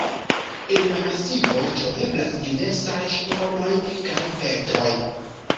En la masivo troveblas diversaj ŝtonoj kaj petroj.